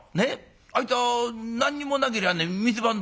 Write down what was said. あいつは何にもなけりゃあね店番だ。